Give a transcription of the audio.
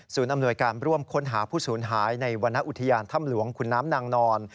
อำนวยการร่วมค้นหาผู้สูญหายในวรรณอุทยานถ้ำหลวงขุนน้ำนางนอน